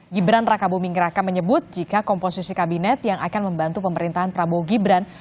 gibran raka buming raka menyebut jika komposisi kabinet yang akan membantu pemerintahan prabowo gibran